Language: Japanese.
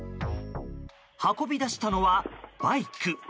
運び出したのはバイク。